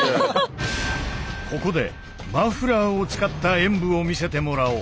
ここでマフラーを使った演武を見せてもらおう。